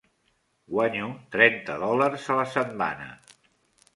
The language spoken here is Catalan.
Guanyo trenta dòlars a la setmana.